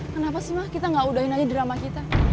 kenapa sih mah kita gak udahin aja drama kita